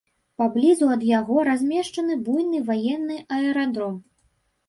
Паблізу ад яго размешчаны буйны ваенны аэрадром.